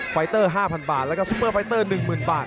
ไฟเตอร์๕๐๐บาทแล้วก็ซุปเปอร์ไฟเตอร์๑๐๐๐บาท